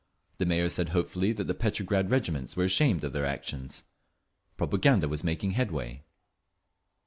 The Mayor said hopefully that the Petrograd regiments were ashamed of their actions; propaganda was making headway.